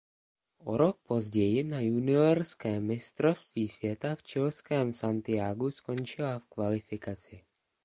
O rok později na juniorském mistrovství světa v chilském Santiagu skončila v kvalifikaci.